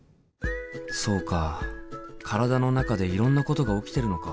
そうか体の中でいろんなことが起きてるのか。